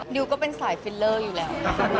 ดิวก็เป็นสายฟิลเลอร์อยู่แล้ว